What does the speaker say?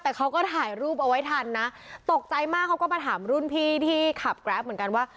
แต่เขาก็ถ่ายรูปเอาไว้ทันนะตกใจมากเขาก็มาถามรุ่นพี่ที่ขับแกรปเหมือนกันว่า